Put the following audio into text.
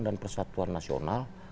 dan persatuan nasional